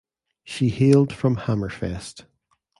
She hailed from Hammerfest.